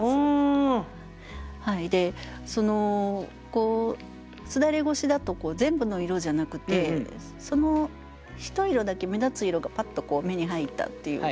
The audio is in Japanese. その簾越しだと全部の色じゃなくてそのひと色だけ目立つ色がパッと目に入ったっていう。